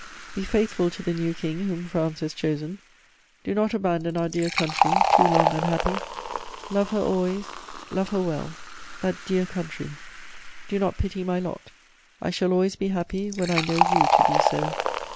"Be faithful to the new King whom France has chosen; do not abandon our dear country, too long unhappy! Love her always, love her well, that dear country! "Do not pity my lot; I shall always be happy when I know you to be so.